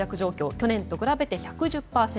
去年と比べて１１０％。